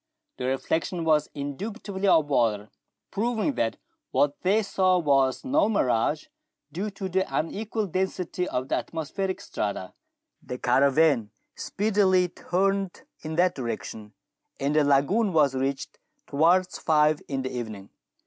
The reflection was indubitably of water, proving that what they saw was no mirage, due to the unequal density of the atmospheric strata. The caravan speedily turned in that direction, and the lagoon was reached towards five in the evening.